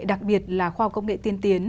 đặc biệt là khoa học công nghệ tiên tiến